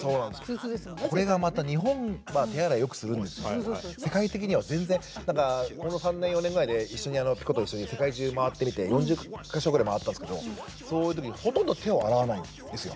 これがまた日本は手洗いよくするんですけど世界的には全然この３年４年ぐらいでピコと一緒に世界中回ってみて４０か所ぐらい回ったんですけどもそういう時にほとんど手を洗わないんですよ。